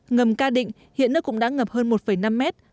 ngầm ca định hiện nơi cũng đã ngập hơn một năm mét